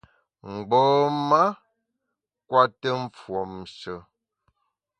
Mgbom-a kùete mfuomshe.